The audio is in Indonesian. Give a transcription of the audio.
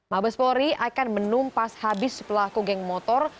mabes polri akan menumpas habis pelaku geng motor